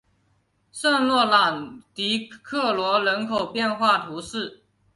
圣洛朗迪克罗人口变化图示